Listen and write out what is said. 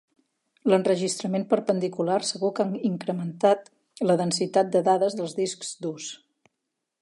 L'enregistrament perpendicular segur que ha incrementat la densitat de dades dels discs durs.